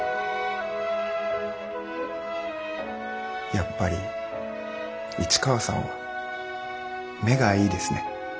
やっぱり市川さんは目がいいですね。